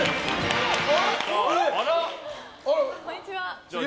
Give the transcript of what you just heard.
こんにちは。